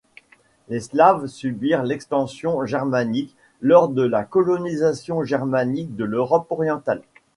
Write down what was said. Les Slaves subirent l'extension germanique lors de la colonisation germanique de l'Europe orientale.